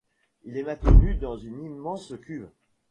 Il est maintenu dans une immense cuve.